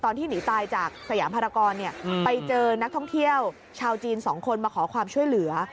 นักท่องเที่ยวชาวจีน๒คนมาขอความช่วยเหลือ